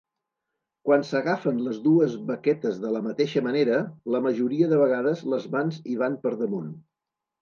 Quan s'agafen les dues baquetes de la mateixa manera, la majoria de vegades les mans hi van per damunt.